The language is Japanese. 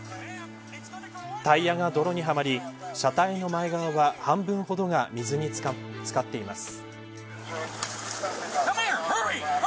タイヤが泥にはまり車体の前側は半分ほどが水につかっています。